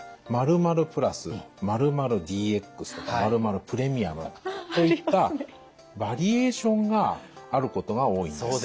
「○○プラス」「○○ＥＸ」とか「○○プレミアム」といったバリエーションがあることが多いんです。